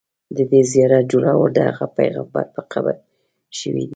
د دې زیارت جوړول د هغه پیغمبر په قبر شوي دي.